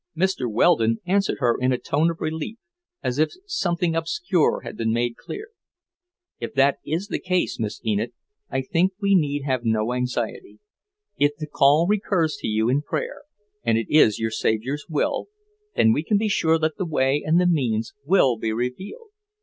Mr. Weldon answered her in a tone of relief, as if something obscure had been made clear. "If that is the case, Miss Enid, I think we need have no anxiety. If the call recurs to you in prayer, and it is your Saviour's will, then we can be sure that the way and the means will be revealed.